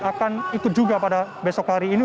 akan ikut juga pada besok hari ini